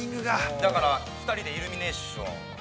◆だから、２人でイルミネーション。